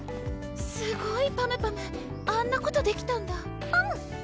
すごいパムパムあんなことできたんだパム！